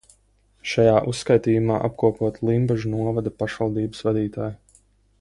Šajā uzskaitījumā apkopoti Limbažu novada pašvaldības vadītāji.